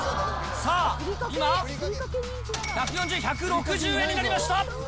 さあ、今、１４０、１６０円になりました。